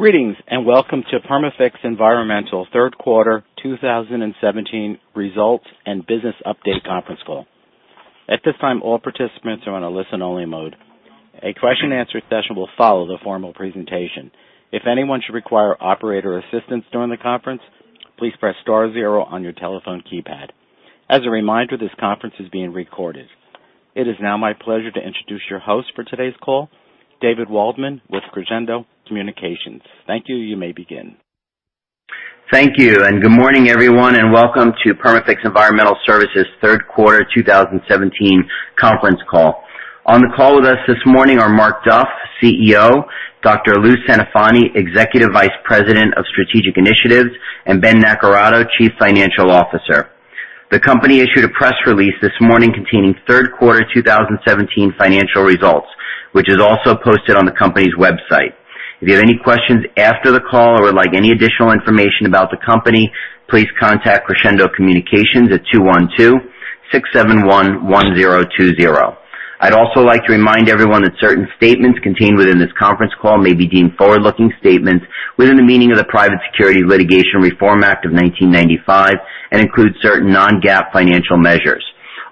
Greetings, and welcome to Perma-Fix Environmental's third quarter 2017 results and business update conference call. At this time, all participants are on a listen-only mode. A question and answer session will follow the formal presentation. If anyone should require operator assistance during the conference, please press star zero on your telephone keypad. As a reminder, this conference is being recorded. It is now my pleasure to introduce your host for today's call, David Waldman with Crescendo Communications. Thank you. You may begin. Thank you. Good morning, everyone, and welcome to Perma-Fix Environmental Services' third quarter 2017 conference call. On the call with us this morning are Mark Duff, CEO; Dr. Lou Centofanti, Executive Vice President of Strategic Initiatives; and Ben Naccarato, Chief Financial Officer. The company issued a press release this morning containing third quarter 2017 financial results, which is also posted on the company's website. If you have any questions after the call or would like any additional information about the company, please contact Crescendo Communications at 212. 671 1020. I'd also like to remind everyone that certain statements contained within this conference call may be deemed forward-looking statements within the meaning of the Private Securities Litigation Reform Act of 1995 and include certain non-GAAP financial measures.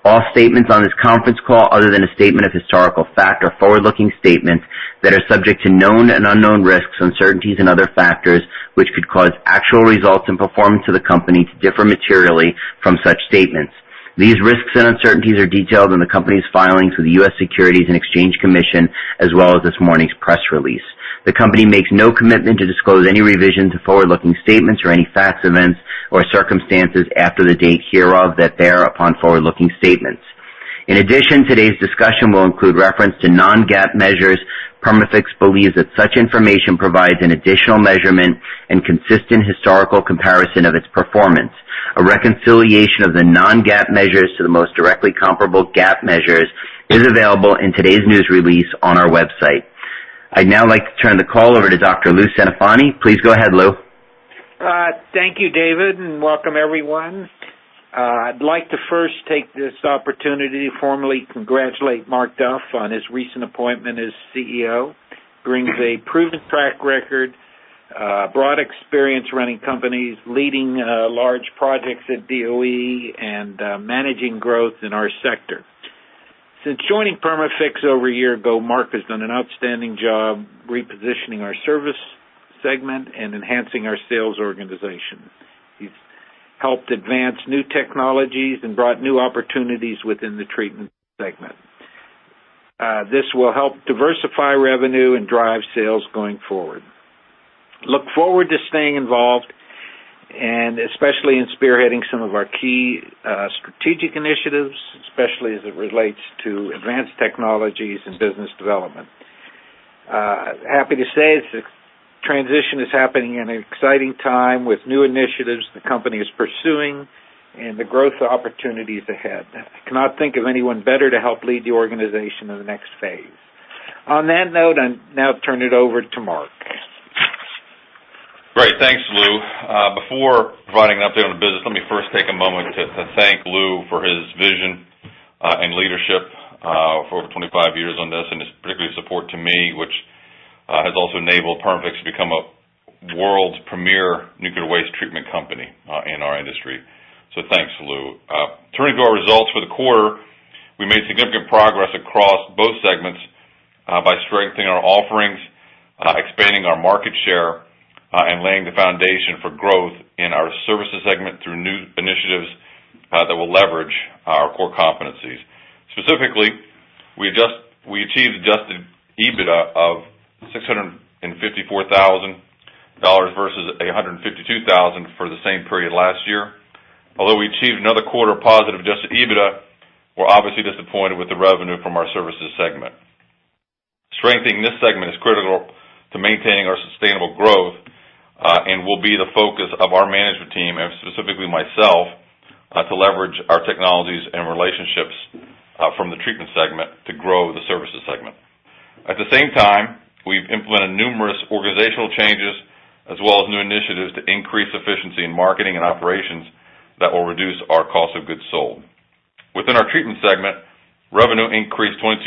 All statements on this conference call, other than a statement of historical fact, are forward-looking statements that are subject to known and unknown risks, uncertainties and other factors which could cause actual results and performance of the company to differ materially from such statements. These risks and uncertainties are detailed in the company's filings with the U.S. Securities and Exchange Commission, as well as this morning's press release. The company makes no commitment to disclose any revisions of forward-looking statements or any facts, events, or circumstances after the date hereof that bear upon forward-looking statements. In addition, today's discussion will include reference to non-GAAP measures. Perma-Fix believes that such information provides an additional measurement and consistent historical comparison of its performance. A reconciliation of the non-GAAP measures to the most directly comparable GAAP measures is available in today's news release on our website. I'd now like to turn the call over to Dr. Lou Centofanti. Please go ahead, Lou. Thank you, David, and welcome everyone. I'd like to first take this opportunity to formally congratulate Mark Duff on his recent appointment as CEO. He brings a proven track record, broad experience running companies, leading large projects at DOE, and managing growth in our sector. Since joining Perma-Fix over a year ago, Mark has done an outstanding job repositioning our service segment and enhancing our sales organization. He's helped advance new technologies and brought new opportunities within the treatment segment. This will help diversify revenue and drive sales going forward. Look forward to staying involved and especially in spearheading some of our key strategic initiatives, especially as it relates to advanced technologies and business development. Happy to say the transition is happening at an exciting time with new initiatives the company is pursuing and the growth opportunities ahead. I cannot think of anyone better to help lead the organization in the next phase. On that note, I'll now turn it over to Mark. Great. Thanks, Lou. Before providing an update on the business, let me first take a moment to thank Lou for his vision and leadership for over 25 years on this, and his particular support to me, which has also enabled Perma-Fix to become a world's premier nuclear waste treatment company in our industry. Thanks, Lou. Turning to our results for the quarter, we made significant progress across both segments by strengthening our offerings, expanding our market share, and laying the foundation for growth in our services segment through new initiatives that will leverage our core competencies. Specifically, we achieved adjusted EBITDA of $654,000 versus $852,000 for the same period last year. Although we achieved another quarter of positive adjusted EBITDA, we're obviously disappointed with the revenue from our services segment. Strengthening this segment is critical to maintaining our sustainable growth, and will be the focus of our management team and specifically myself, to leverage our technologies and relationships from the treatment segment to grow the services segment. At the same time, we've implemented numerous organizational changes as well as new initiatives to increase efficiency in marketing and operations that will reduce our cost of goods sold. Within our treatment segment, revenue increased 22%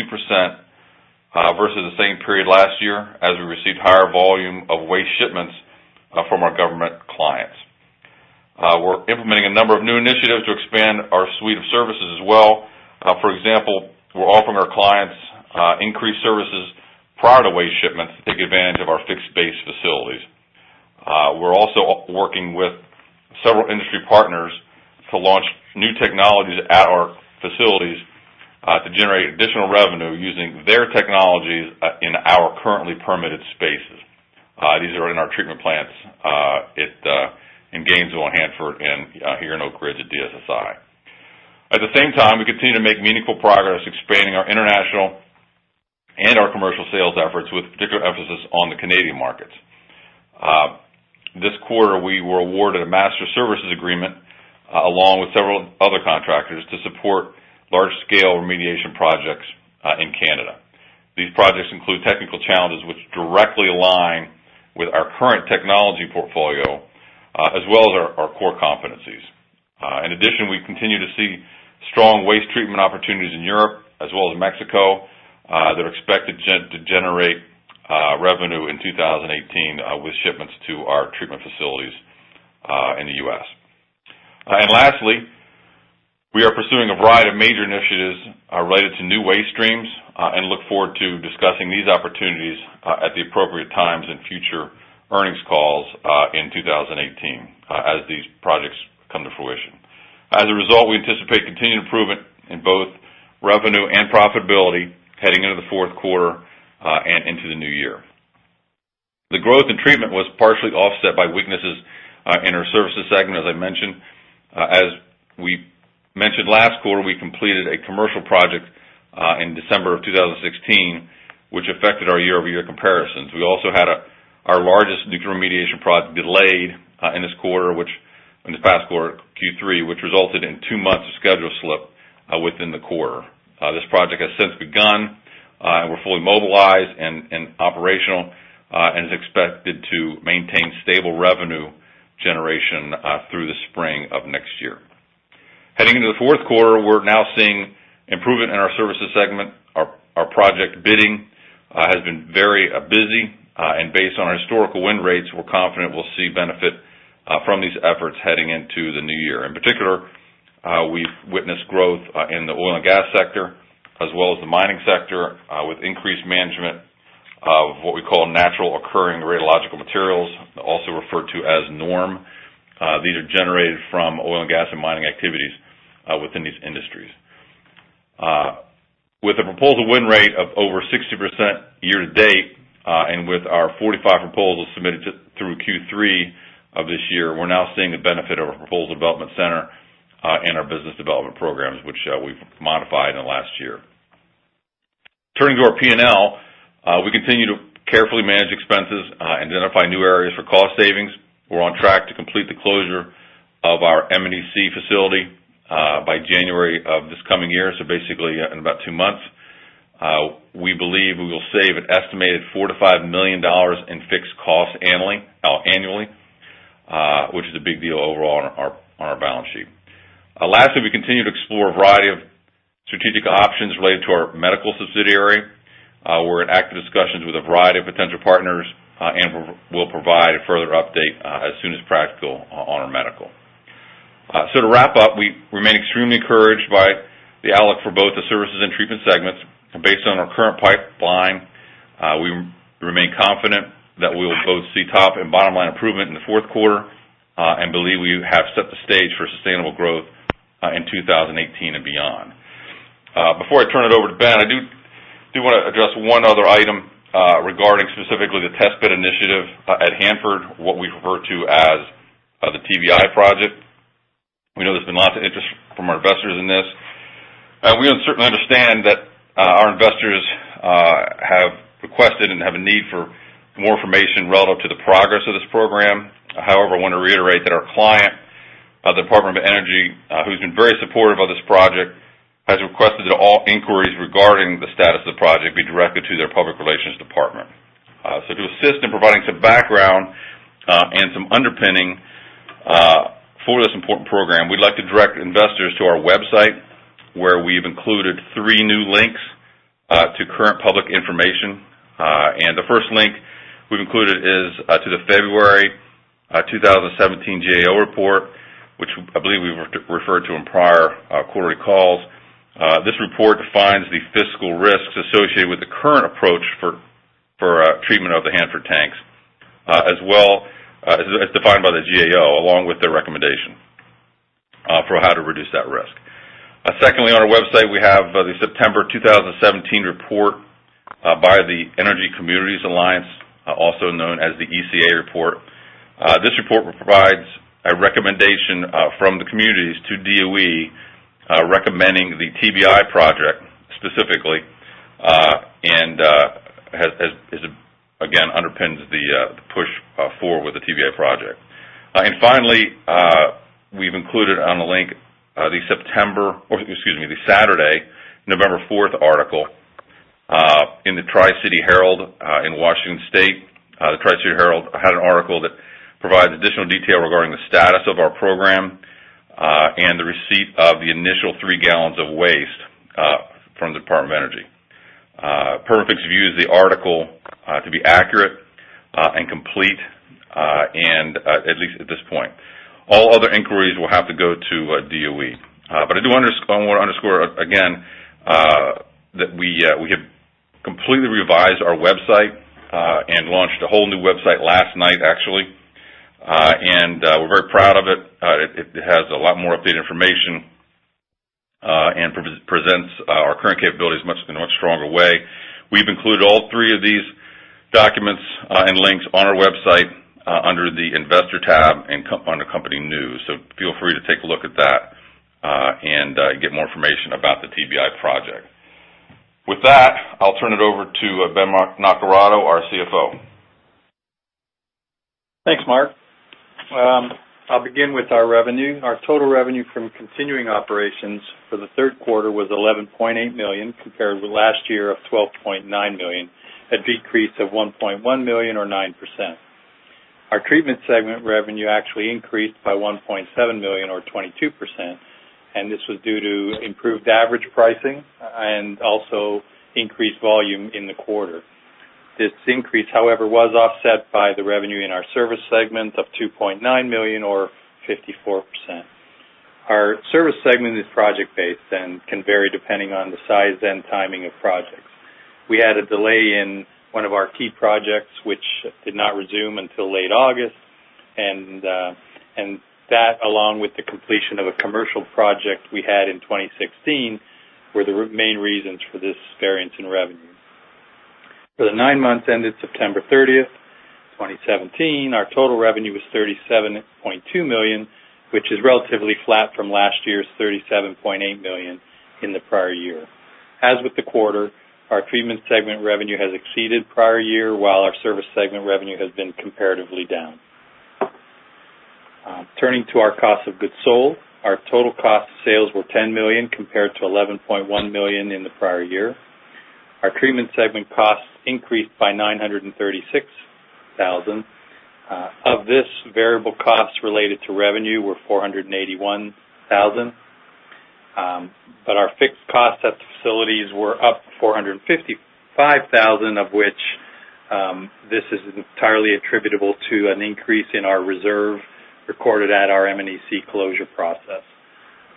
versus the same period last year, as we received higher volume of waste shipments from our government clients. We're implementing a number of new initiatives to expand our suite of services as well. For example, we're offering our clients increased services prior to waste shipments to take advantage of our fixed base facilities. We're also working with several industry partners to launch new technologies at our facilities, to generate additional revenue using their technologies in our currently permitted spaces. These are in our treatment plants in Gainesville and Hanford and here in Oak Ridge at DSSI. At the same time, we continue to make meaningful progress expanding our international and our commercial sales efforts, with particular emphasis on the Canadian markets. This quarter, we were awarded a master services agreement along with several other contractors to support large scale remediation projects in Canada. These projects include technical challenges which directly align with our current technology portfolio as well as our core competencies. In addition, we continue to see strong waste treatment opportunities in Europe as well as Mexico, that are expected to generate revenue in 2018 with shipments to our treatment facilities in the U.S. Lastly, we are pursuing a variety of major initiatives related to new waste streams, and look forward to discussing these opportunities at the appropriate times in future earnings calls in 2018 as these projects come to fruition. As a result, we anticipate continued improvement in both revenue and profitability heading into the fourth quarter and into the new year. The growth in treatment was partially offset by weaknesses in our services segment, as I mentioned. As we mentioned last quarter, we completed a commercial project in December of 2016, which affected our year-over-year comparisons. We also had our largest nuclear remediation project delayed in this past quarter, Q3, which resulted in two months of schedule slip within the quarter. This project has since begun, and we're fully mobilized and operational, and is expected to maintain stable revenue generation through the spring of next year. Heading into the fourth quarter, we're now seeing improvement in our services segment. Our project bidding has been very busy. Based on our historical win rates, we're confident we'll see benefit from these efforts heading into the new year. In particular, we've witnessed growth in the oil and gas sector as well as the mining sector, with increased management of what we call naturally occurring radiological materials, also referred to as NORM. These are generated from oil and gas and mining activities within these industries. With a proposal win rate of over 60% year to date, and with our 45 proposals submitted through Q3 of this year, we're now seeing the benefit of our proposal development center and our business development programs, which we've modified in the last year. Turning to our P&L, we continue to carefully manage expenses, identify new areas for cost savings. We're on track to complete the closure of our M&EC facility by January of this coming year, so basically in about two months. We believe we will save an estimated $4 million-$5 million in fixed costs annually, which is a big deal overall on our balance sheet. Lastly, we continue to explore a variety of strategic options related to our medical subsidiary. We're in active discussions with a variety of potential partners, and we'll provide a further update as soon as practical on our medical. To wrap up, we remain extremely encouraged by the outlook for both the services and treatment segments. Based on our current pipeline, we remain confident that we'll both see top and bottom-line improvement in the fourth quarter, and believe we have set the stage for sustainable growth in 2018 and beyond. Before I turn it over to Ben, I do want to address one other item regarding specifically the Test Pit Initiative at Hanford, what we refer to as the TBI Project. We know there's been lots of interest from our investors in this. We certainly understand that our investors have requested and have a need for more information relevant to the progress of this program. However, I want to reiterate that our client, the Department of Energy, who's been very supportive of this project, has requested that all inquiries regarding the status of the project be directed to their public relations department. To assist in providing some background and some underpinning for this important program, we'd like to direct investors to our website, where we've included three new links to current public information. The first link we've included is to the February 2017 GAO report, which I believe we referred to in prior quarterly calls. This report defines the fiscal risks associated with the current approach for treatment of the Hanford tanks as defined by the GAO, along with their recommendation for how to reduce that risk. Secondly, on our website, we have the September 2017 report by the Energy Communities Alliance, also known as the ECA report. This report provides a recommendation from the communities to DOE, recommending the TBI Project specifically, again, underpins the push forward with the TBI Project. Finally, we've included on the link the Saturday, November 4th article in the "Tri-City Herald" in Washington State. The "Tri-City Herald" had an article that provides additional detail regarding the status of our program, and the receipt of the initial three gallons of waste from the Department of Energy. Perma-Fix views the article to be accurate and complete, at least at this point. All other inquiries will have to go to DOE. I do want to underscore again that we have completely revised our website, launched a whole new website last night actually. We're very proud of it. It has a lot more updated information, presents our current capabilities in a much stronger way. We've included all three of these documents and links on our website under the Investor tab and under Company News. Feel free to take a look at that, get more information about the TBI Project. With that, I'll turn it over to Ben Naccarato, our CFO. Thanks, Mark. I'll begin with our revenue. Our total revenue from continuing operations for the third quarter was $11.8 million, compared with last year of $12.9 million. A decrease of $1.1 million or 9%. Our treatment segment revenue actually increased by $1.7 million or 22%, this was due to improved average pricing and also increased volume in the quarter. This increase, however, was offset by the revenue in our service segment of $2.9 million or 54%. Our service segment is project-based and can vary depending on the size and timing of projects. We had a delay in one of our key projects, which did not resume until late August, that, along with the completion of a commercial project we had in 2016, were the main reasons for this variance in revenue. For the nine months ended September 30th, 2017, our total revenue was $37.2 million, which is relatively flat from last year's $37.8 million in the prior year. As with the quarter, our treatment segment revenue has exceeded prior year, while our service segment revenue has been comparatively down. Turning to our cost of goods sold, our total cost of sales were $10 million compared to $11.1 million in the prior year. Our treatment segment costs increased by $936,000. Of this, variable costs related to revenue were $481,000. Our fixed costs at the facilities were up $455,000, of which this is entirely attributable to an increase in our reserve recorded at our M&EC closure process.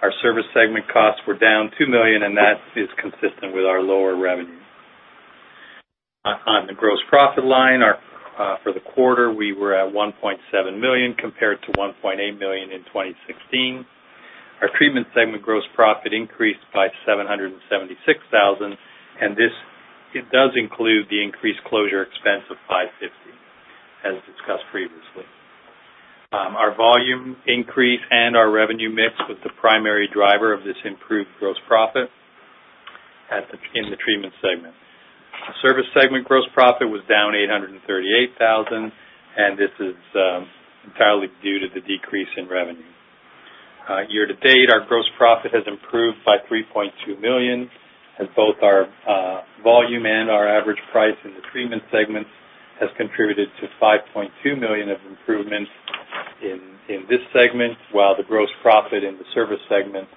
Our service segment costs were down $2 million, That is consistent with our lower revenue. On the gross profit line, for the quarter, we were at $1.7 million compared to $1.8 million in 2016. Our treatment segment gross profit increased by $776,000, It does include the increased closure expense of $550, as discussed previously. Our volume increase and our revenue mix was the primary driver of this improved gross profit in the treatment segment. Service segment gross profit was down $838,000, This is entirely due to the decrease in revenue. Year to date, our gross profit has improved by $3.2 million, as both our volume and our average price in the treatment segment has contributed to $5.2 million of improvements in this segment, while the gross profit in the service segment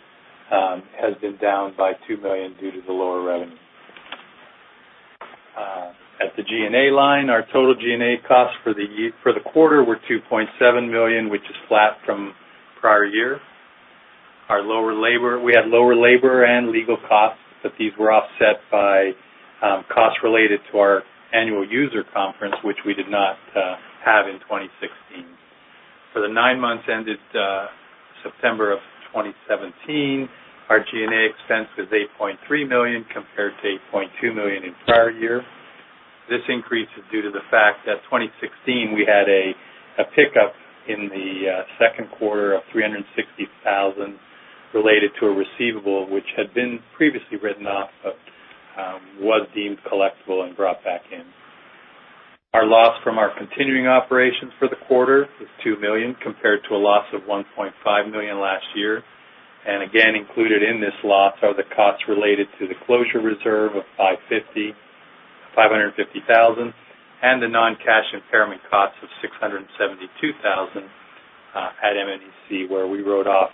has been down by $2 million due to the lower revenue. At the G&A line, our total G&A costs for the quarter were $2.7 million, which is flat from prior year. We had lower labor and legal costs, These were offset by costs related to our annual user conference, which we did not have in 2016. For the nine months ended September of 2017, our G&A expense was $8.3 million compared to $8.2 million in prior year. This increase is due to the fact that 2016, we had a pickup in the second quarter of $360,000 related to a receivable, which had been previously written off, but was deemed collectible and brought back in. Our loss from our continuing operations for the quarter was $2 million, compared to a loss of $1.5 million last year. Again, included in this loss are the costs related to the closure reserve of $550,000 and the non-cash impairment costs of $672,000 at M&EC, where we wrote off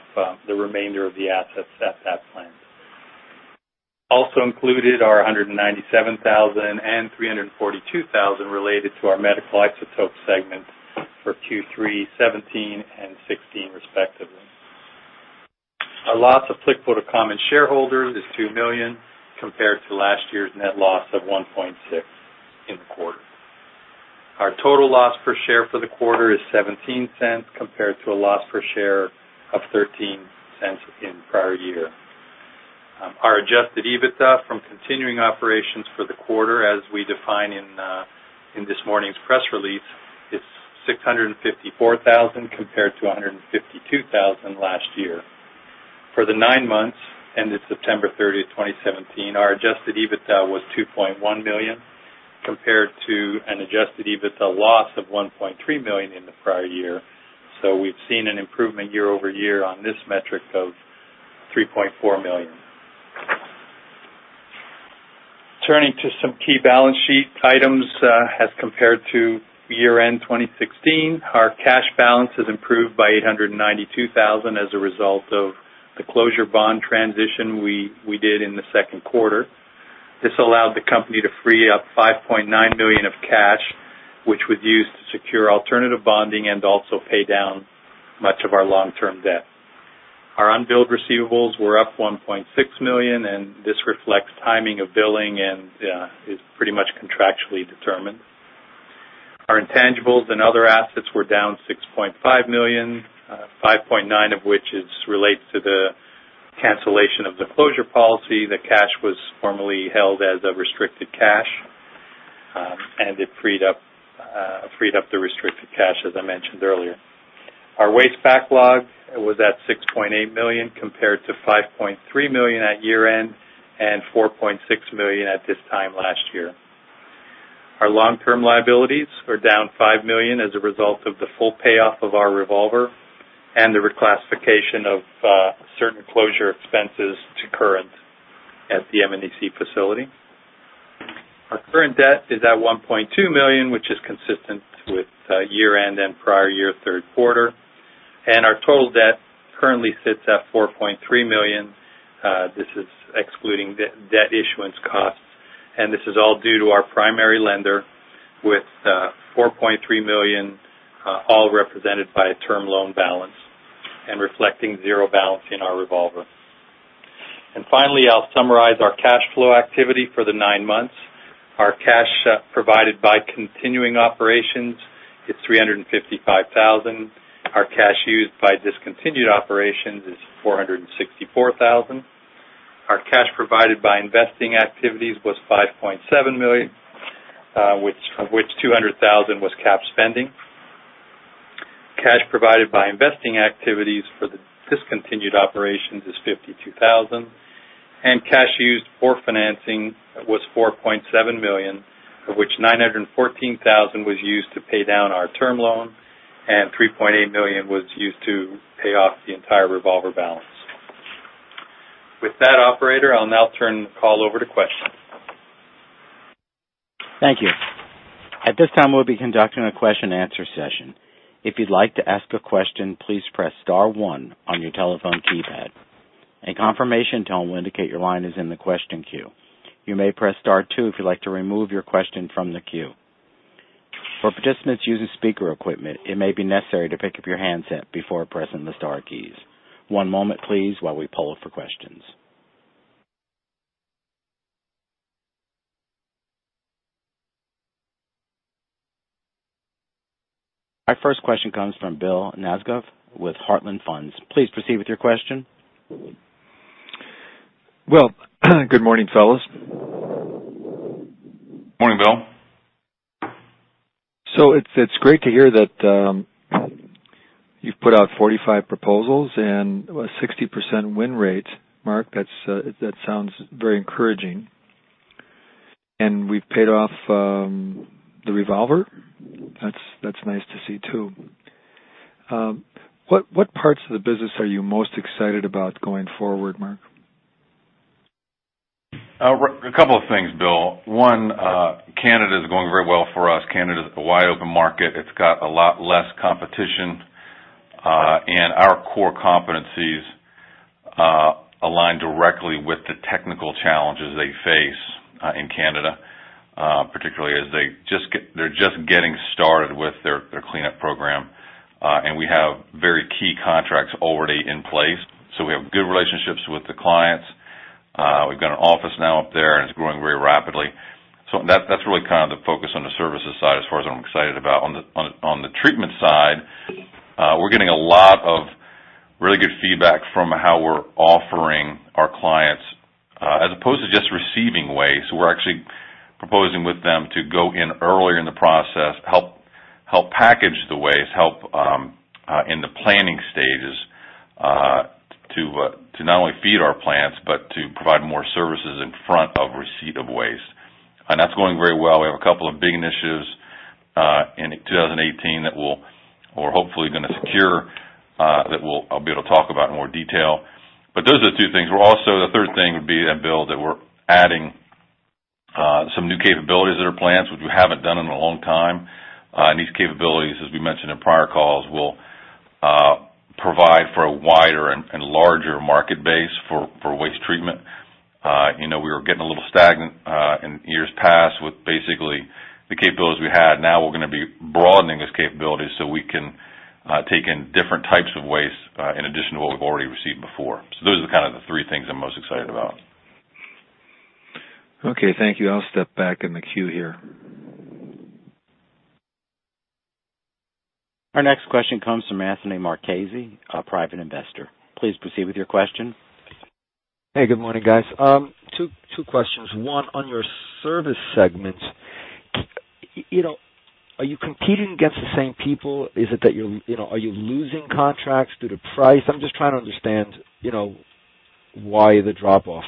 the remainder of the assets at that plant. Also included are $197,000 and $342,000 related to our medical isotope segment for Q3 2017 and 2016 respectively. Our loss applicable to common shareholders is $2 million, compared to last year's net loss of $1.6 in the quarter. Our total loss per share for the quarter is $0.17, compared to a loss per share of $0.13 in prior year. Our adjusted EBITDA from continuing operations for the quarter, as we define in this morning's press release, is $654,000 compared to $152,000 last year. For the nine months ended September 30th, 2017, our adjusted EBITDA was $2.1 million compared to an adjusted EBITDA loss of $1.3 million in the prior year. We've seen an improvement year-over-year on this metric of $3.4 million. Turning to some key balance sheet items as compared to year-end 2016. Our cash balance has improved by $892,000 as a result of the closure bond transition we did in the second quarter. This allowed the company to free up $5.9 million of cash, which was used to secure alternative bonding and also pay down much of our long-term debt. Our unbilled receivables were up $1.6 million. This reflects timing of billing and is pretty much contractually determined. Our intangibles and other assets were down $6.5 million, $5.9 of which is related to the cancellation of the closure policy. The cash was formerly held as a restricted cash. It freed up the restricted cash, as I mentioned earlier. Our waste backlog was at $6.8 million, compared to $5.3 million at year-end, $4.6 million at this time last year. Our long-term liabilities are down $5 million as a result of the full payoff of our revolver. The reclassification of certain closure expenses to current at the M&EC facility. Our current debt is at $1.2 million, which is consistent with year-end and prior year third quarter. Our total debt currently sits at $4.3 million. This is excluding debt issuance costs. This is all due to our primary lender with $4.3 million, all represented by a term loan balance and reflecting 0 balance in our revolver. Finally, I'll summarize our cash flow activity for the nine months. Our cash provided by continuing operations is $355,000. Our cash used by discontinued operations is $464,000. Our cash provided by investing activities was $5.7 million, of which $200,000 was CapEx spending. Cash provided by investing activities for the discontinued operations is $52,000. Cash used for financing was $4.7 million, of which $914,000 was used to pay down our term loan, $3.8 million was used to pay off the entire revolver balance. With that, operator, I'll now turn the call over to questions. Thank you. At this time, we'll be conducting a question and answer session. If you'd like to ask a question, please press star one on your telephone keypad. A confirmation tone will indicate your line is in the question queue. You may press star two if you'd like to remove your question from the queue. For participants using speaker equipment, it may be necessary to pick up your handset before pressing the star keys. One moment, please, while we poll for questions. Our first question comes from Bill Nasgovitz with Heartland Advisors. Please proceed with your question. Well, good morning, fellas. Morning, Bill. It's great to hear that you've put out 45 proposals and a 60% win rate, Mark. That sounds very encouraging. We've paid off the revolver. That's nice to see, too. What parts of the business are you most excited about going forward, Mark? A couple of things, Bill. One, Canada is going very well for us. Canada is a wide-open market. It's got a lot less competition. Our core competencies align directly with the technical challenges they face, in Canada, particularly as they're just getting started with their cleanup program. We have very key contracts already in place. We have good relationships with the clients. We've got an office now up there, and it's growing very rapidly. That's really the focus on the services side as far as I'm excited about. On the treatment side, we're getting a lot of really good feedback from how we're offering our clients, as opposed to just receiving waste. We're actually proposing with them to go in earlier in the process, help package the waste, help in the planning stages, to not only feed our plants but to provide more services in front of receipt of waste. That's going very well. We have a couple of big initiatives in 2018 that we're hopefully going to secure, that I'll be able to talk about in more detail. Those are the two things. The third thing would be, Bill, that we're adding some new capabilities at our plants, which we haven't done in a long time. These capabilities, as we mentioned in prior calls, will provide for a wider and larger market base for waste treatment. We were getting a little stagnant in years past with basically the capabilities we had. Now we're going to be broadening those capabilities so we can take in different types of waste in addition to what we've already received before. Those are kind of the three things I'm most excited about. Okay, thank you. I'll step back in the queue here. Our next question comes from Anthony Marchese, a private investor. Please proceed with your question. Hey, good morning, guys. Two questions. One, on your service segment, are you competing against the same people? Are you losing contracts due to price? I'm just trying to understand why the drop-off.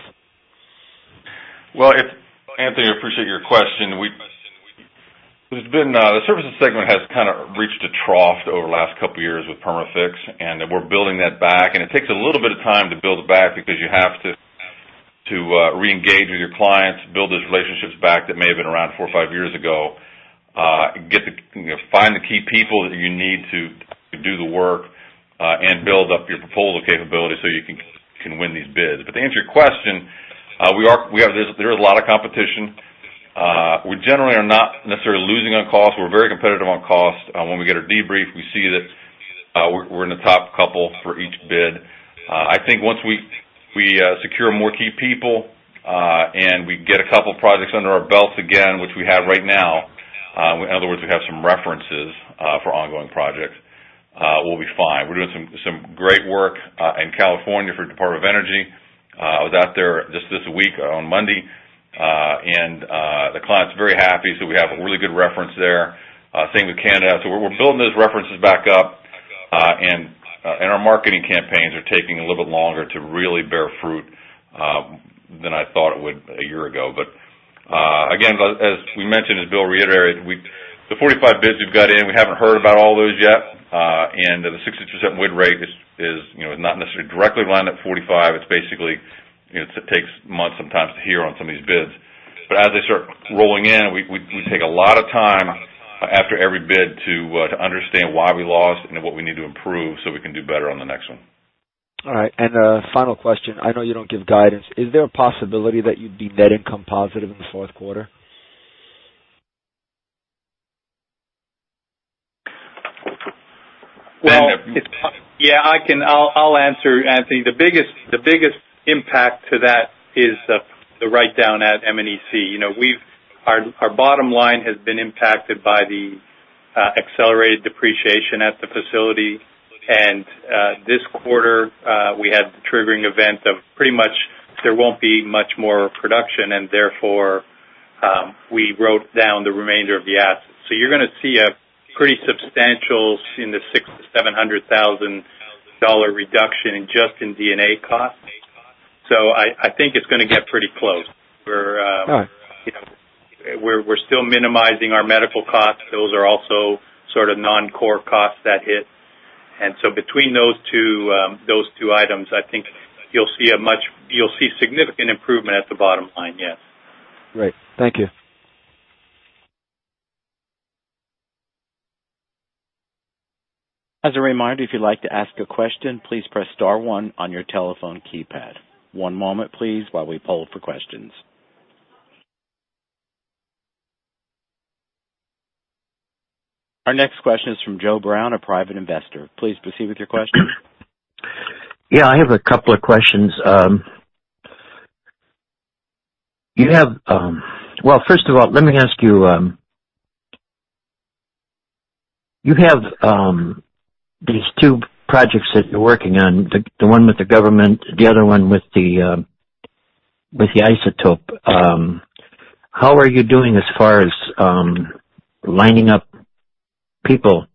Well, Anthony, I appreciate your question. The services segment has kind of reached a trough over the last couple of years with Perma-Fix. We're building that back, and it takes a little bit of time to build it back because you have to reengage with your clients, build those relationships back that may have been around four or five years ago, find the key people that you need to do the work, build up your proposal capabilities so you can win these bids. To answer your question, there is a lot of competition. We generally are not necessarily losing on cost. We're very competitive on cost. When we get our debrief, we see that we're in the top couple for each bid. I think once we secure more key people and we get a couple projects under our belt again, which we have right now, in other words, we have some references for ongoing projects, we'll be fine. We're doing some great work in California for Department of Energy. I was out there just this week on Monday. The client's very happy, so we have a really good reference there. Same with Canada. We're building those references back up, and our marketing campaigns are taking a little bit longer to really bear fruit than I thought it would a year ago. Again, as we mentioned, as Bill reiterated, the 45 bids we've got in, we haven't heard about all those yet. The 60% win rate is not necessarily directly lined at 45. It's basically, it takes months sometimes to hear on some of these bids. As they start rolling in, we take a lot of time after every bid to understand why we lost and what we need to improve so we can do better on the next one. All right. A final question. I know you don't give guidance. Is there a possibility that you'd be net income positive in the fourth quarter? Well, yeah, I'll answer, Anthony. The biggest impact to that is the write-down at M&EC. Our bottom line has been impacted by the accelerated depreciation at the facility. This quarter, we had the triggering event of pretty much there won't be much more production, and therefore, we wrote down the remainder of the assets. You're going to see a pretty substantial, in the $600,000-$700,000 reduction just in D&A costs. I think it's going to get pretty close. All right. We're still minimizing our medical costs. Those are also sort of non-core costs that hit. Between those two items, I think you'll see significant improvement at the bottom line, yes. Great. Thank you. As a reminder, if you'd like to ask a question, please press star one on your telephone keypad. One moment please while we poll for questions. Our next question is from Joe Brown, a private investor. Please proceed with your question. Yeah, I have a couple of questions. Well, first of all, let me ask you. You have these two projects that you're working on, the one with the government, the other one with the isotope. How are you doing as far as lining up people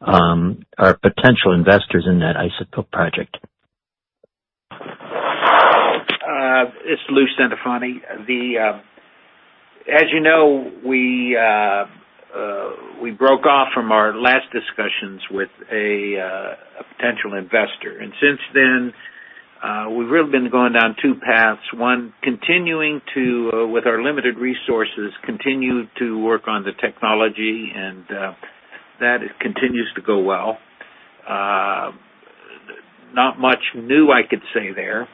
or potential investors in that isotope project? It's Lou Centofanti. As you know, we broke off from our last discussions with a potential investor, and since then, we've really been going down two paths. One, with our limited resources, continue to work on the technology, and that continues to go well. Not much new I could say there.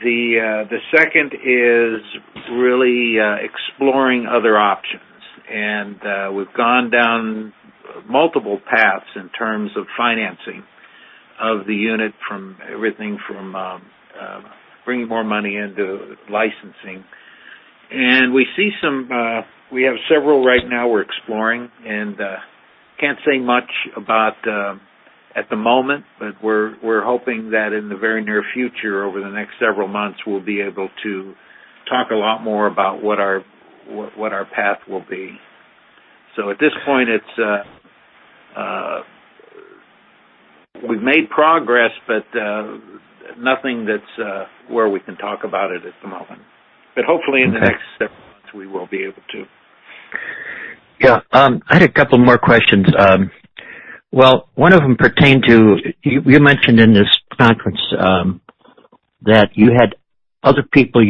The second is really exploring other options. We've gone down multiple paths in terms of financing of the unit from everything from bringing more money in to licensing. We have several right now we're exploring, and can't say much about at the moment, but we're hoping that in the very near future, over the next several months, we'll be able to talk a lot more about what our path will be. At this point, we've made progress, but nothing that's where we can talk about it at the moment. Hopefully in the next several months, we will be able to. Yeah. I had a couple more questions. Well, one of them pertained to, you mentioned in this conference that you had other people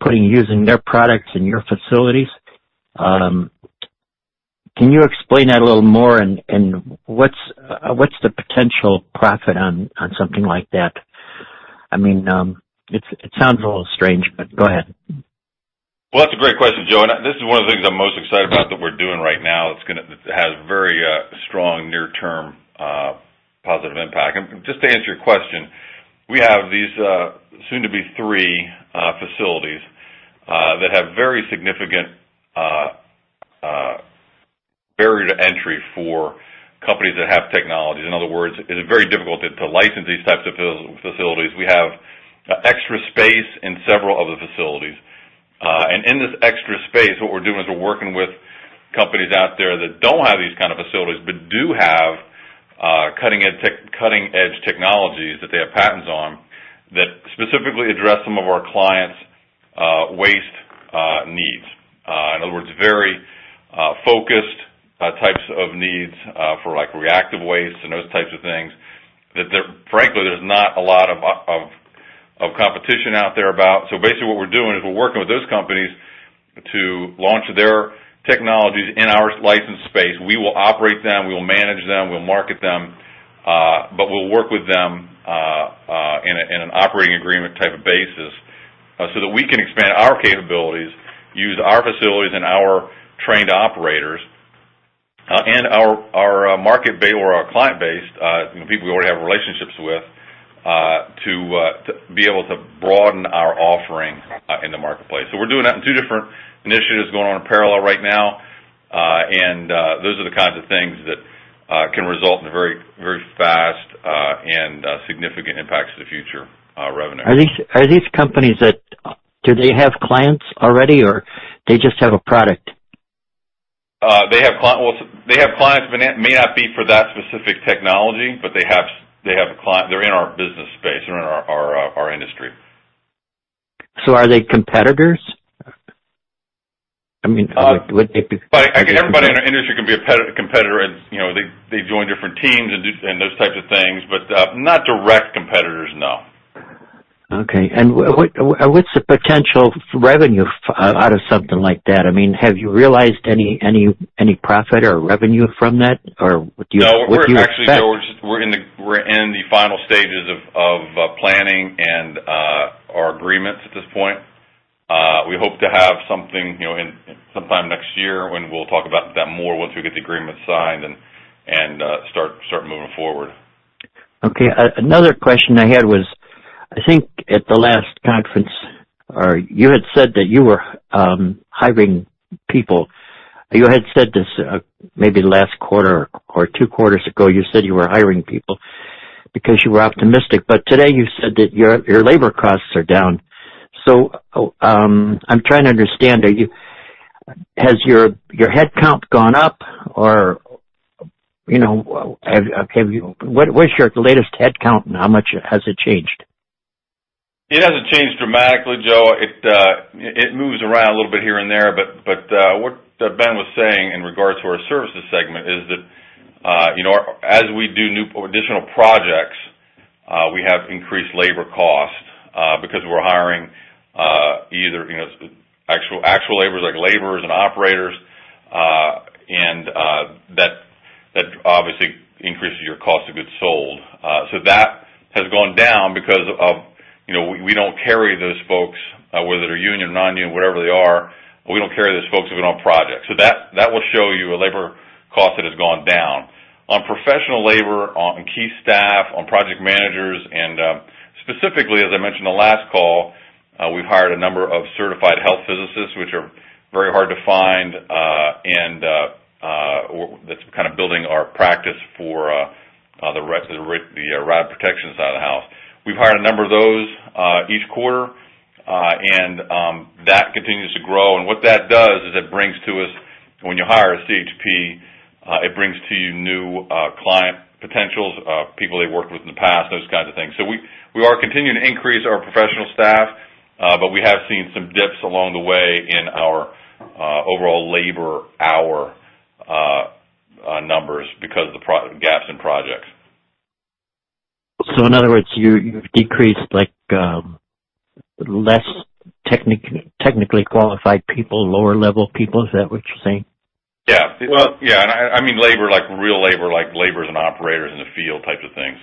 putting and using their products in your facilities. Can you explain that a little more, and what's the potential profit on something like that? It sounds a little strange, go ahead. Well, that's a great question, Joe, this is one of the things I'm most excited about that we're doing right now that has very strong near-term positive impact. Just to answer your question, we have these soon to be three facilities that have very significant barrier to entry for companies that have technology. In other words, it is very difficult to license these types of facilities. We have extra space in several of the facilities. In this extra space, what we're doing is we're working with companies out there that don't have these kind of facilities but do have cutting-edge technologies that they have patents on that specifically address some of our clients' waste needs. In other words, very focused types of needs for reactive waste and those types of things that, frankly, there's not a lot of competition out there about. Basically what we're doing is we're working with those companies to launch their technologies in our licensed space. We will operate them, we will manage them, we'll market them, but we'll work with them in an operating agreement type of basis so that we can expand our capabilities, use our facilities and our trained operators, and our market base or our client base, people we already have relationships with, to be able to broaden our offering in the marketplace. We're doing that in two different initiatives going on in parallel right now. Those are the kinds of things that can result in very fast and significant impacts to the future revenue. Are these companies? Do they have clients already, or they just have a product? They have clients may not be for that specific technology, but they're in our business space, they're in our industry. Are they competitors? Everybody in our industry can be a competitor. They join different teams and those types of things, but not direct competitors, no. Okay. What's the potential revenue out of something like that? Have you realized any profit or revenue from that? Or what do you expect? No. We're in the final stages of planning and our agreements at this point. We hope to have something sometime next year when we'll talk about that more once we get the agreement signed and start moving forward. Okay. Another question I had was, I think at the last conference, you had said that you were hiring people. You had said this maybe last quarter or two quarters ago. You said you were hiring people because you were optimistic. Today, you said that your labor costs are down. I'm trying to understand, has your headcount gone up or what's your latest headcount and how much has it changed? It hasn't changed dramatically, Joe. It moves around a little bit here and there. What Ben was saying in regards to our services segment is that as we do new additional projects, we have increased labor costs because we're hiring either actual labors like laborers and operators, and that obviously increases your cost of goods sold. That has gone down because we don't carry those folks, whether they're union or non-union, wherever they are, we don't carry those folks if we don't have projects. That will show you a labor cost that has gone down. On professional labor, on key staff, on project managers, and specifically, as I mentioned the last call, we've hired a number of certified health physicists, which are very hard to find, and that's kind of building our practice for the rad protection side of the house. We've hired a number of those each quarter, that continues to grow. What that does is it brings to us, when you hire a CHP, it brings to you new client potentials, people they worked with in the past, those kinds of things. We are continuing to increase our professional staff, but we have seen some dips along the way in our overall labor hour numbers because of the gaps in projects. In other words, you've decreased less technically qualified people, lower level people. Is that what you're saying? Yeah. I mean labor, like real labor, like laborers and operators in the field types of things.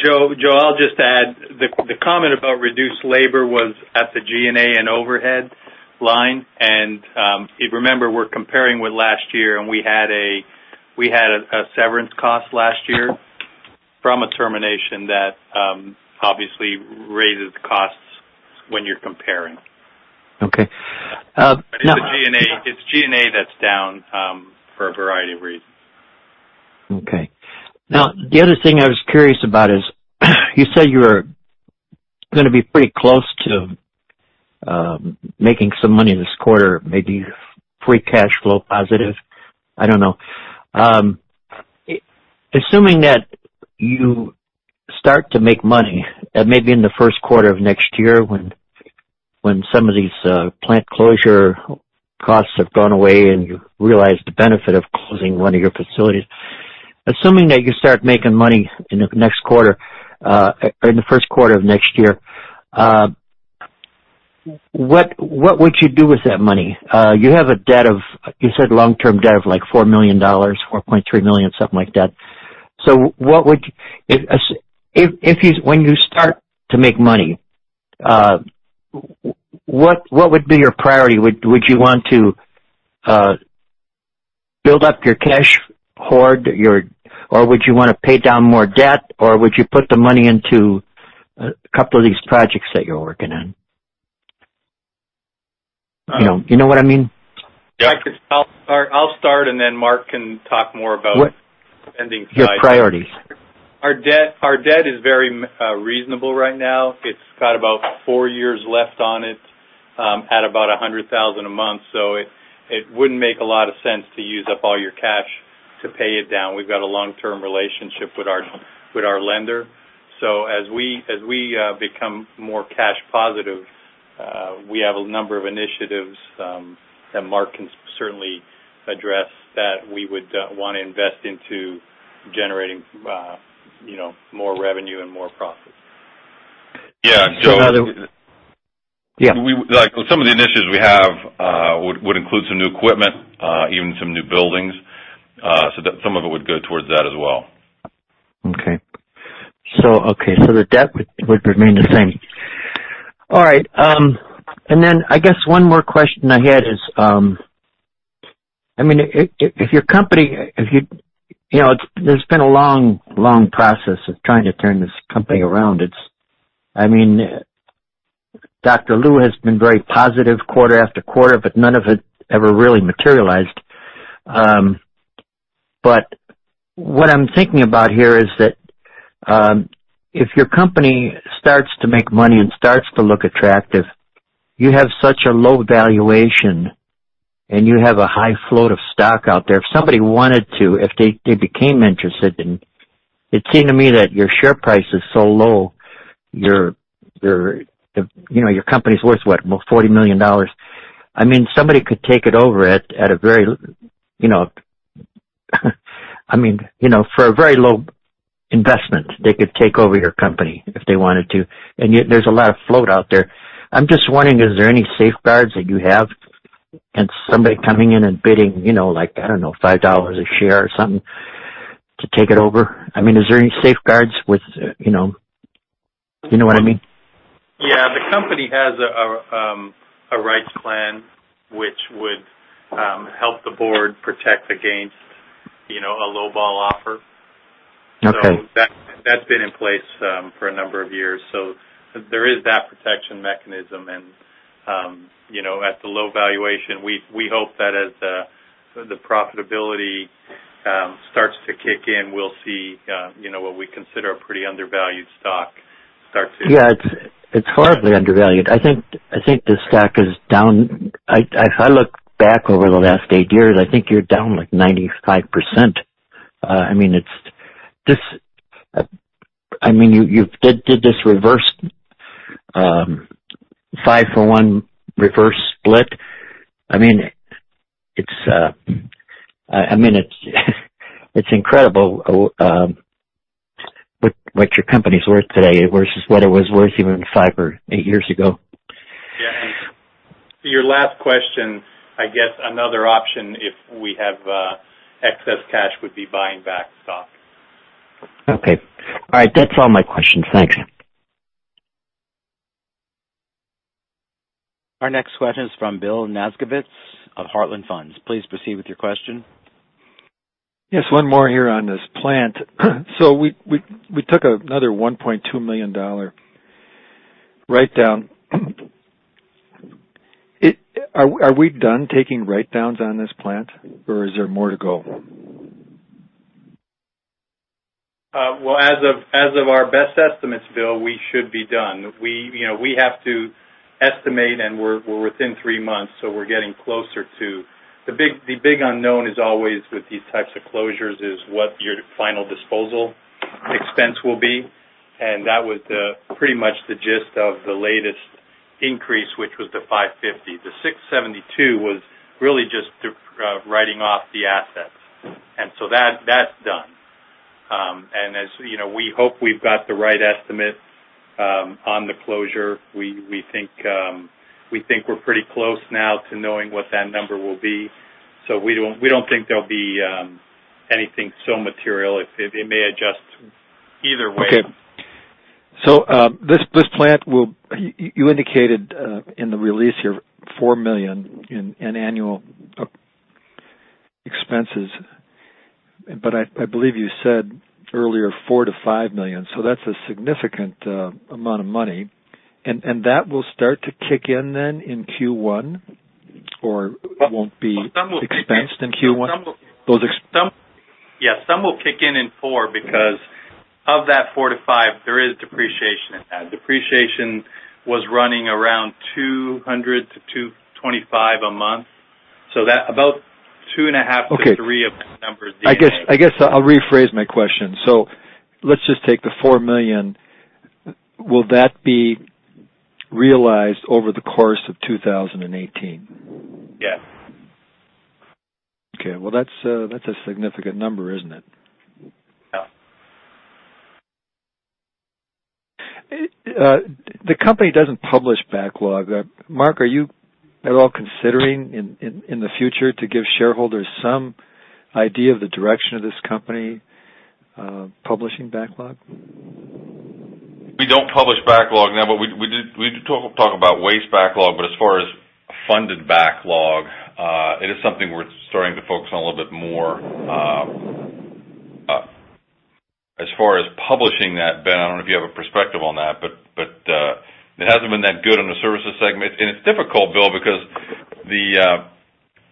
Joe, I'll just add, the comment about reduced labor was at the G&A and overhead line. If you remember, we're comparing with last year, we had a severance cost last year from a termination that obviously raises costs when you're comparing. Okay. It's G&A that's down for a variety of reasons. Okay. The other thing I was curious about is, you said you were going to be pretty close to making some money this quarter, maybe free cash flow positive. I don't know. Assuming that you start to make money, maybe in the first quarter of next year when some of these plant closure costs have gone away and you realize the benefit of closing one of your facilities. Assuming that you start making money in the next quarter or in the first quarter of next year, what would you do with that money? You have a debt of, you said long-term debt of like $4 million-$4.3 million, something like that. When you start to make money, what would be your priority? Would you want to build up your cash hoard, or would you want to pay down more debt, or would you put the money into a couple of these projects that you're working on? You know what I mean? Yeah. I'll start, and then Mark can talk more about spending side. Your priorities. Our debt is very reasonable right now. It's got about four years left on it at about $100,000 a month. It wouldn't make a lot of sense to use up all your cash to pay it down. We've got a long-term relationship with our lender. As we become more cash positive, we have a number of initiatives, that Mark can certainly address, that we would want to invest into generating more revenue and more profits. Yeah. Yeah. Some of the initiatives we have would include some new equipment, even some new buildings. Some of it would go towards that as well. Okay. The debt would remain the same. All right. I guess one more question I had is, there's been a long process of trying to turn this company around. Dr. Lou has been very positive quarter after quarter, but none of it ever really materialized. What I'm thinking about here is that if your company starts to make money and starts to look attractive, you have such a low valuation, and you have a high float of stock out there. If somebody wanted to, if they became interested in. It seemed to me that your share price is so low, your company's worth, what, about $40 million. Somebody could take it over for a very low investment. They could take over your company if they wanted to, and yet there's a lot of float out there. I'm just wondering, is there any safeguards that you have against somebody coming in and bidding, I don't know, $5 a share or something to take it over? Is there any safeguards? You know what I mean? Yeah. The company has a rights plan which would help the board protect against a lowball offer. Okay. That's been in place for a number of years. There is that protection mechanism, and at the low valuation, we hope that as the profitability starts to kick in, we'll see what we consider a pretty undervalued stock start to. Yeah. It's horribly undervalued. I think the stock is down. If I look back over the last eight years, I think you're down like 95%. You did this five for one reverse split. It's incredible what your company's worth today versus what it was worth even five or eight years ago. Yeah. To your last question, I guess another option if we have excess cash would be buying back stock. Okay. All right. That's all my questions. Thank you. Our next question is from Bill Nasgovitz of Heartland Advisors. Please proceed with your question. Yes, one more here on this plant. We took another $1.2 million write down. Are we done taking write downs on this plant, or is there more to go? Well, as of our best estimates, Bill, we should be done. We have to estimate, we're within three months, we're getting closer to. The big unknown is always with these types of closures is what your final disposal expense will be, and that was pretty much the gist of the latest increase, which was the $550. The $672 was really just writing off the assets. That's done. As you know, we hope we've got the right estimate on the closure. We think we're pretty close now to knowing what that number will be. We don't think there'll be anything so material. It may adjust either way. Okay. This plant will, you indicated in the release here, $4 million in annual expenses, but I believe you said earlier $4 million-$5 million. That's a significant amount of money. That will start to kick in then in Q1, or won't be expensed in Q1? Yes. Some will kick in in four because of that four to five, there is depreciation in that. Depreciation was running around $200,000-$225,000 a month. That about two and a half to three of the numbers— Okay. I guess I'll rephrase my question. Let's just take the $4 million. Will that be realized over the course of 2018? Yes. Okay. That's a significant number, isn't it? Yeah. The company doesn't publish backlog. Mark, are you at all considering in the future to give shareholders some idea of the direction of this company publishing backlog? We don't publish backlog now, but we did talk about waste backlog. As far as funded backlog, it is something we're starting to focus on a little bit more. As far as publishing that, Ben, I don't know if you have a perspective on that, but it hasn't been that good in the services segment. It's difficult, Bill, because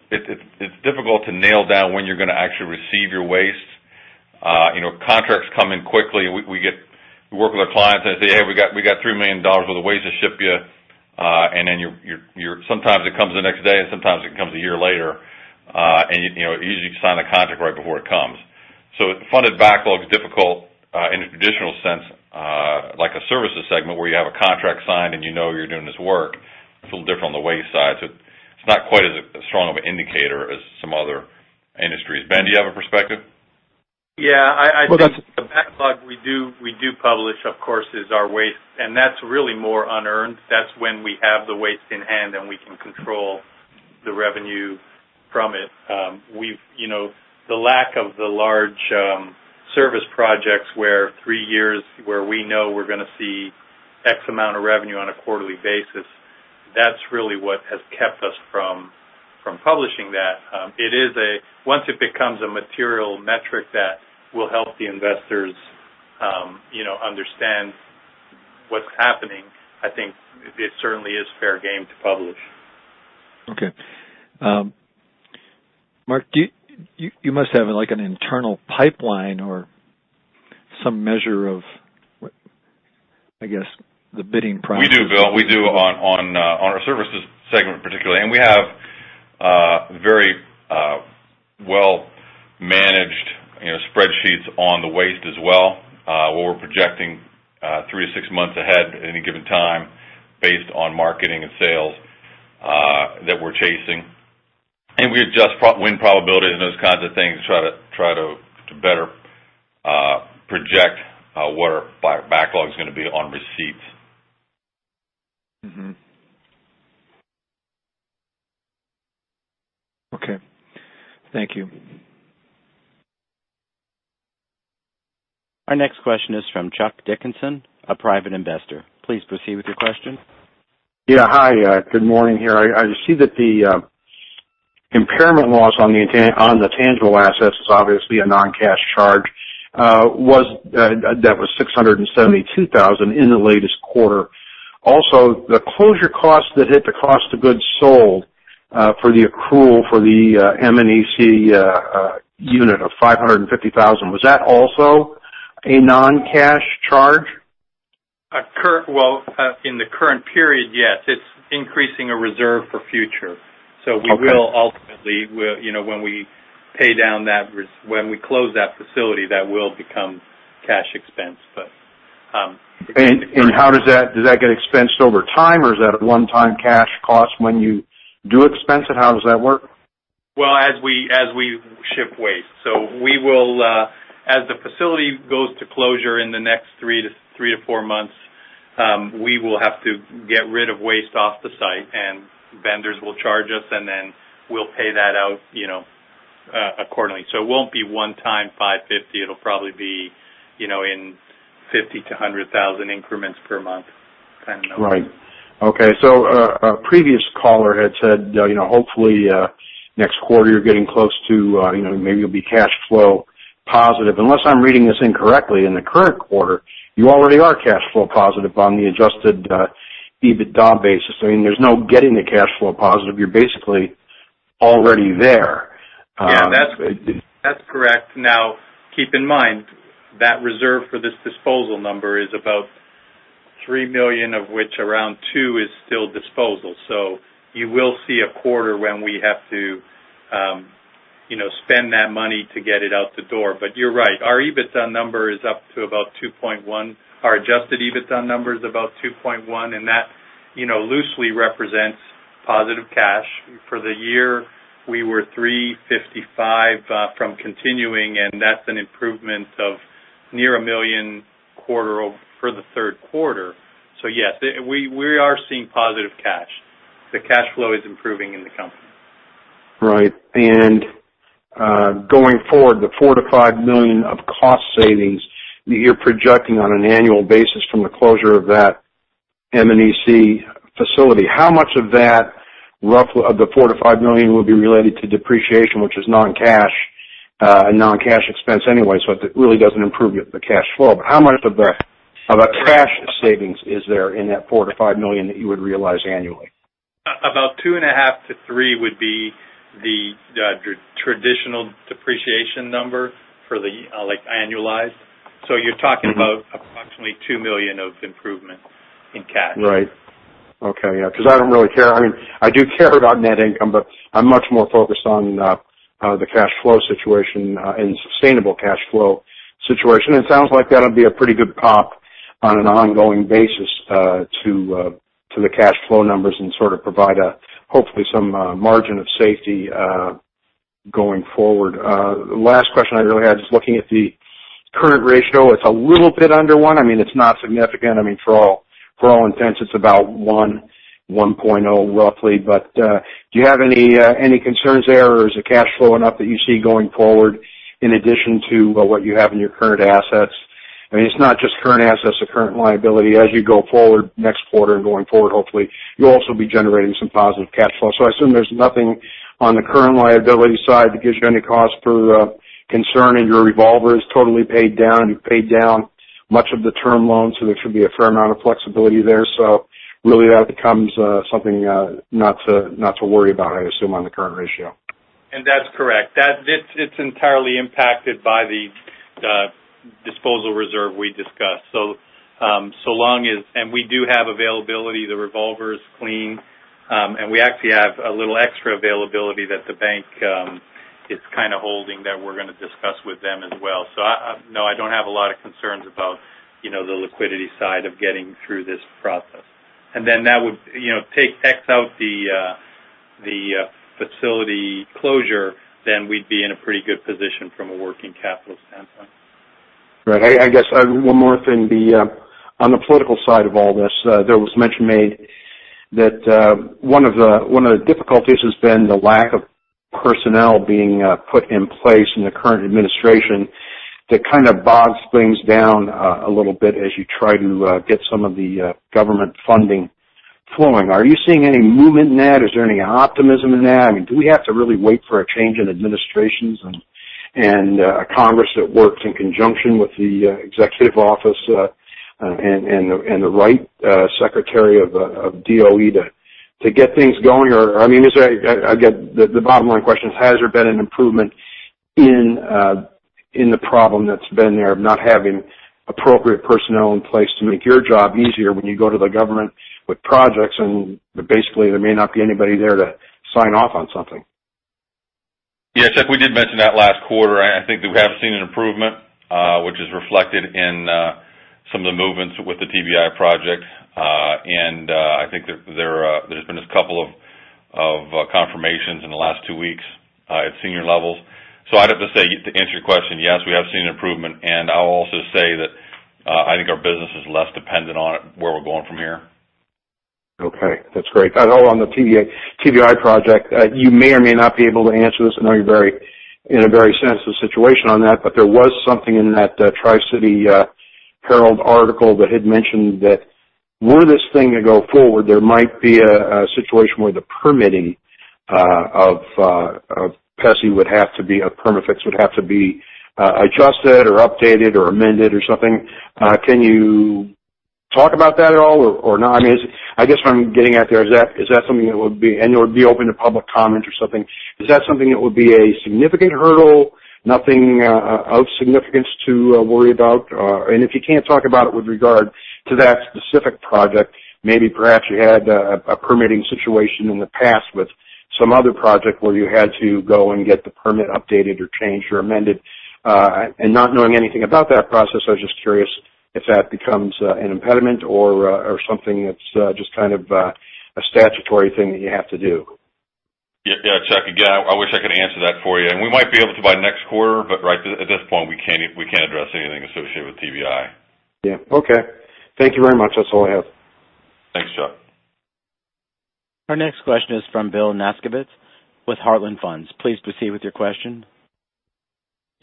it's difficult to nail down when you're going to actually receive your waste. Contracts come in quickly. We work with our clients and they say, "Hey, we got $3 million worth of waste to ship you." Then sometimes it comes the next day, and sometimes it comes a year later. It's easy to sign a contract right before it comes. Funded backlog is difficult in a traditional sense, like a services segment where you have a contract signed and you know you're doing this work. It's a little different on the waste side, so it's not quite as strong of an indicator as some other industries. Ben, do you have a perspective? Yeah. I think the backlog we do publish, of course, is our waste. That's really more unearned. That's when we have the waste in hand, and we can control the revenue from it. The lack of the large service projects where three years where we know we're going to see X amount of revenue on a quarterly basis, that's really what has kept us from publishing that. Once it becomes a material metric that will help the investors understand what's happening, I think it certainly is fair game to publish. Okay. Mark, you must have an internal pipeline or some measure of, I guess, the bidding process. We do, Bill. We do on our services segment particularly, and we have very well-managed spreadsheets on the waste as well, where we're projecting three to six months ahead at any given time based on marketing and sales that we're chasing. We adjust win probability and those kinds of things to try to better project what our backlog's going to be on receipts. Mm-hmm. Okay. Thank you. Our next question is from Chuck Dickinson, a private investor. Please proceed with your question. Yeah. Hi, good morning here. I see that the impairment loss on the tangible assets is obviously a non-cash charge. That was $672,000 in the latest quarter. Also, the closure cost that hit the cost of goods sold for the accrual for the M&EC unit of $550,000. Was that also a non-cash charge? Well, in the current period, yes. It's increasing a reserve for future. Okay. We will ultimately, when we close that facility, that will become cash expense. How does that get expensed over time, or is that a one-time cash cost when you do expense it? How does that work? Well, as we ship waste. As the facility goes to closure in the next three to four months, we will have to get rid of waste off the site, vendors will charge us, then we'll pay that out accordingly. It won't be one time $550. It'll probably be in $50,000 to $100,000 increments per month. Right. Okay. A previous caller had said, hopefully, next quarter you're getting close to maybe you'll be cash flow positive. Unless I'm reading this incorrectly, in the current quarter, you already are cash flow positive on the adjusted EBITDA basis. I mean, there's no getting to cash flow positive. You're basically already there. Yeah. That's correct. Keep in mind, that reserve for this disposal number is about $3 million, of which around two is still disposal. You will see a quarter when we have to spend that money to get it out the door. You're right, our EBITDA number is up to about $2.1. Our adjusted EBITDA number is about $2.1, and that loosely represents positive cash. For the year, we were $355 from continuing, and that's an improvement of near $1 million for the third quarter. Yes, we are seeing positive cash. The cash flow is improving in the company. Right. Going forward, the $4 million-$5 million of cost savings you're projecting on an annual basis from the closure of that M&EC facility, how much of that, roughly, of the $4 million-$5 million will be related to depreciation, which is non-cash expense anyway. It really doesn't improve the cash flow. How much of a cash savings is there in that $4 million-$5 million that you would realize annually? About two and a half to three would be the traditional depreciation number for the annualized. You're talking about approximately $2 million of improvement in cash. Right. Okay. I don't really care. I do care about net income, I'm much more focused on the cash flow situation and sustainable cash flow situation. It sounds like that'll be a pretty good pop on an ongoing basis to the cash flow numbers and sort of provide, hopefully, some margin of safety going forward. Last question I really had is looking at the current ratio. It's a little bit under one. It's not significant. For all intents, it's about 1.0 roughly. Do you have any concerns there, or is the cash flow enough that you see going forward in addition to what you have in your current assets? It's not just current assets or current liability. As you go forward next quarter and going forward, hopefully, you'll also be generating some positive cash flow. I assume there's nothing on the current liability side that gives you any cause for concern, and your revolver is totally paid down, and you've paid down much of the term loan, so there should be a fair amount of flexibility there. Really that becomes something not to worry about, I assume, on the current ratio. That's correct. It's entirely impacted by the disposal reserve we discussed. We do have availability, the revolver is clean, and we actually have a little extra availability that the bank is kind of holding that we're going to discuss with them as well. No, I don't have a lot of concerns about the liquidity side of getting through this process. Then that would take X out the facility closure, then we'd be in a pretty good position from a working capital standpoint. Right. I guess one more thing. On the political side of all this, there was mention made that one of the difficulties has been the lack of personnel being put in place in the current administration that kind of bogs things down a little bit as you try to get some of the government funding flowing. Are you seeing any movement in that? Is there any optimism in that? I mean, do we have to really wait for a change in administrations and a Congress that works in conjunction with the executive office, and the right Secretary of DOE to get things going. Again, the bottom line question is, has there been an improvement in the problem that's been there of not having appropriate personnel in place to make your job easier when you go to the government with projects, and basically there may not be anybody there to sign off on something? Chuck, we did mention that last quarter. I think that we have seen an improvement, which is reflected in some of the movements with the TBI project. I think there's been a couple of confirmations in the last two weeks at senior levels. I'd have to say, to answer your question, yes, we have seen an improvement, and I'll also say that I think our business is less dependent on it, where we're going from here. That's great. On the TBI project, you may or may not be able to answer this. I know you're in a very sensitive situation on that. There was something in that Tri-City Herald article that had mentioned that were this thing to go forward, there might be a situation where the permitting of Perma-Fix would have to be adjusted or updated or amended or something. Can you talk about that at all or no? I guess what I'm getting at there, it would be open to public comment or something, is that something that would be a significant hurdle, nothing of significance to worry about? If you can't talk about it with regard to that specific project, maybe perhaps you had a permitting situation in the past with some other project where you had to go and get the permit updated or changed or amended. Not knowing anything about that process, I was just curious if that becomes an impediment or something that's just kind of a statutory thing that you have to do. Chuck, again, I wish I could answer that for you. We might be able to by next quarter, right at this point, we can't address anything associated with TBI. Okay. Thank you very much. That's all I have. Thanks, Chuck. Our next question is from Bill Nasgovitz with Heartland Advisors. Please proceed with your question.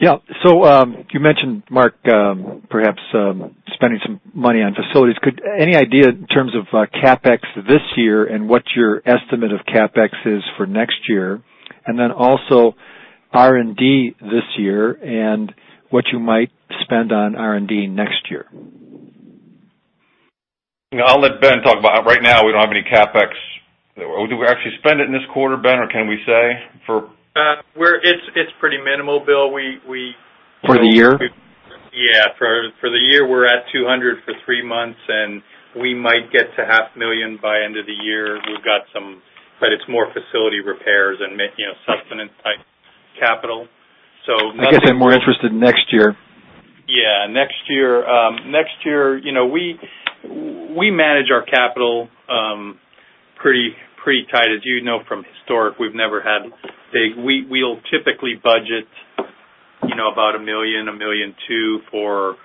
You mentioned, Mark, perhaps spending some money on facilities. Any idea in terms of CapEx this year and what your estimate of CapEx is for next year, and then also R&D this year and what you might spend on R&D next year? I'll let Ben talk about. Right now, we don't have any CapEx. Do we actually spend it in this quarter, Ben, or can we say? It's pretty minimal, Bill. For the year? Yeah. For the year, we're at $200,000 for three months, and we might get to half a million by end of the year. It's more facility repairs and sustenance type capital. I guess I'm more interested in next year. Yeah. Next year, we manage our capital pretty tight. As you know from historic, we've never had We'll typically budget about $1 million, $1.2 million for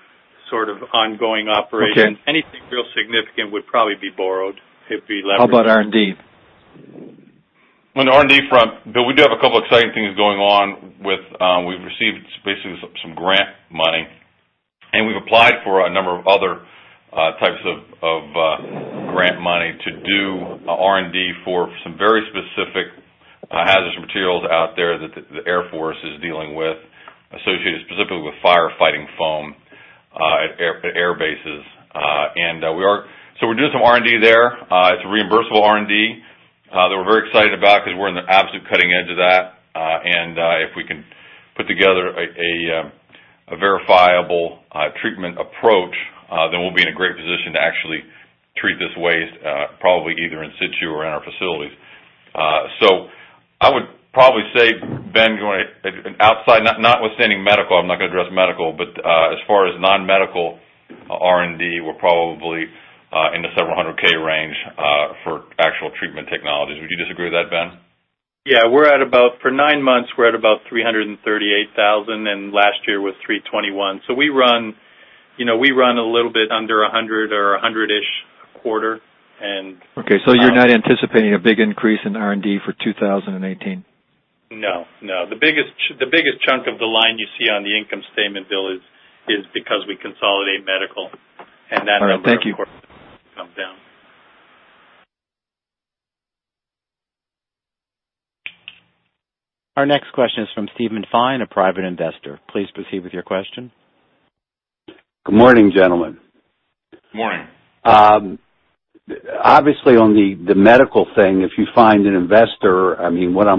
sort of ongoing operations. Okay. Anything real significant would probably be borrowed. It'd be leveraged. How about R&D? On the R&D front, Bill, we do have a couple exciting things going on. We've received basically some grant money, we've applied for a number of other types of grant money to do R&D for some very specific hazardous materials out there that the Air Force is dealing with, associated specifically with firefighting foam at airbases. We're doing some R&D there. It's reimbursable R&D that we're very excited about because we're in the absolute cutting edge of that. If we can put together a verifiable treatment approach, we'll be in a great position to actually treat this waste, probably either in situ or in our facilities. I would probably say, Ben, notwithstanding medical, I'm not going to address medical, but as far as non-medical R&D, we're probably in the several hundred thousand range for actual treatment technologies. Would you disagree with that, Ben? Yeah. For nine months, we're at about $338,000, last year was $321,000. We run a little bit under $100,000 or $100,000-ish a quarter. Okay, you're not anticipating a big increase in R&D for 2018? No. The biggest chunk of the line you see on the income statement, Bill, is because we consolidate medical. All right. Thank you. of course, comes down. Our next question is from Steven Fine, a private investor. Please proceed with your question. Good morning, gentlemen. Morning. On the medical thing, if you find an investor, what I've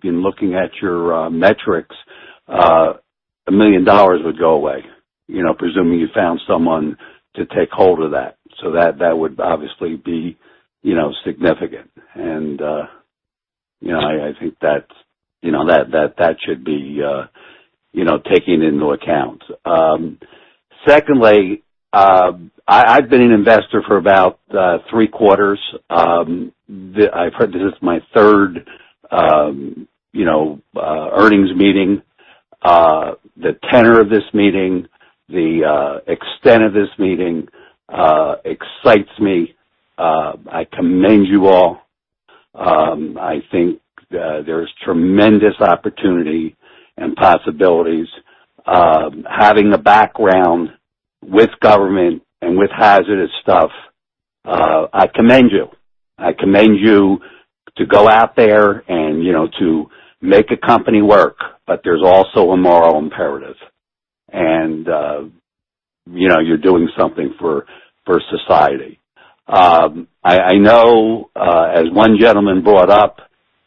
been looking at your metrics, $1 million would go away, presuming you found someone to take hold of that. That would obviously be significant. I think that should be taken into account. Secondly, I've been an investor for about three quarters. I've heard that this is my third earnings meeting. The tenor of this meeting, the extent of this meeting excites me. I commend you all. I think there's tremendous opportunity and possibilities. Having a background with government and with hazardous stuff I commend you. I commend you to go out there and to make a company work, but there's also a moral imperative, and you're doing something for society. I know, as one gentleman brought up,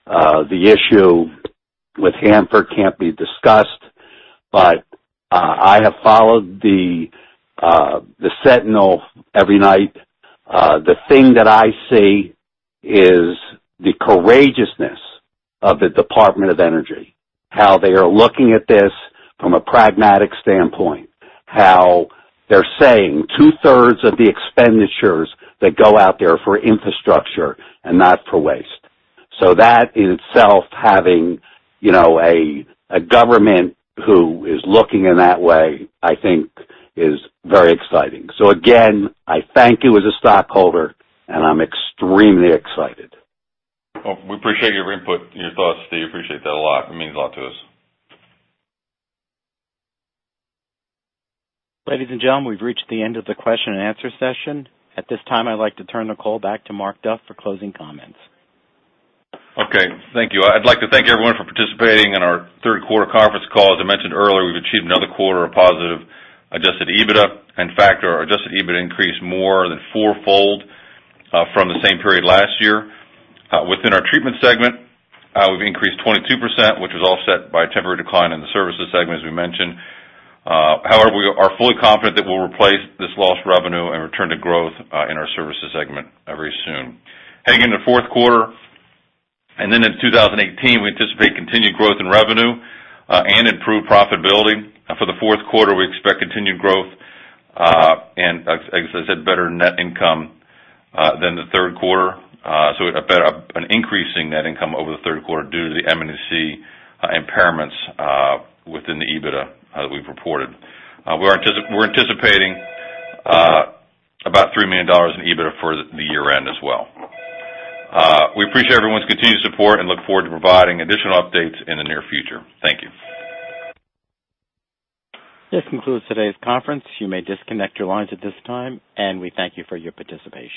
the issue with Hanford can't be discussed, but I have followed The Sentinel every night. The thing that I see is the courageousness of the Department of Energy, how they are looking at this from a pragmatic standpoint, how they're saying two-thirds of the expenditures that go out there are for infrastructure and not for waste. That in itself, having a government who is looking in that way, I think is very exciting. Again, I thank you as a stockholder, and I'm extremely excited. Well, we appreciate your input and your thoughts, Steve. Appreciate that a lot. It means a lot to us. Ladies and gentlemen, we've reached the end of the question and answer session. At this time, I'd like to turn the call back to Mark Duff for closing comments. Okay, thank you. I'd like to thank everyone for participating in our third quarter conference call. As I mentioned earlier, we've achieved another quarter of positive adjusted EBITDA. In fact, our adjusted EBITDA increased more than fourfold from the same period last year. Within our treatment segment, we've increased 22%, which was offset by a temporary decline in the services segment, as we mentioned. We are fully confident that we'll replace this lost revenue and return to growth in our services segment very soon. Heading into fourth quarter and then into 2018, we anticipate continued growth in revenue and improved profitability. For the fourth quarter, we expect continued growth, and as I said, better net income than the third quarter. An increasing net income over the third quarter due to the M&EC impairments within the EBITDA that we've reported. We're anticipating about $3 million in EBITDA for the year-end as well. We appreciate everyone's continued support and look forward to providing additional updates in the near future. Thank you. This concludes today's conference. You may disconnect your lines at this time. We thank you for your participation.